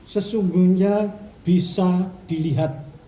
sesungguhnya bisa dilihat